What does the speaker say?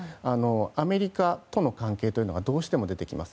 アメリカとの関係がどうしても出てきます。